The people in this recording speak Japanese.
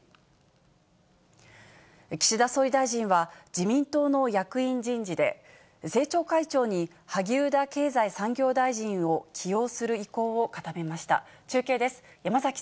岸田総理大臣は、自民党の役員人事で、政調会長に萩生田経済産業大臣を起用する意向を固めました。